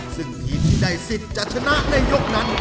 ซึ่งทีมที่ได้สิทธิ์จะชนะในยกนั้น